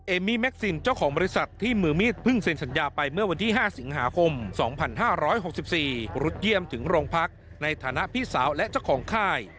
มี่แม็กซินเจ้าของบริษัทที่มือมีดเพิ่งเซ็นสัญญาไปเมื่อวันที่๕สิงหาคม๒๕๖๔รุดเยี่ยมถึงโรงพักในฐานะพี่สาวและเจ้าของค่าย